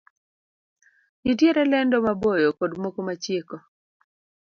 Nitiere lendo ma boyo kod moko ma chieko.